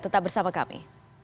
tetap bersama kami